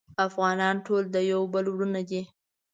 افغانان ټول د یو بل وروڼه دی